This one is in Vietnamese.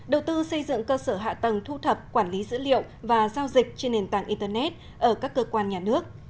đầu tư xây dựng cơ sở hạ tầng thu thập quản lý dữ liệu và giao dịch trên nền tảng internet ở các cơ quan nhà nước